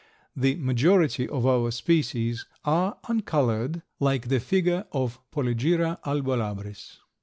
The majority of our species are uncolored, like the figure of Polygyra albolabris.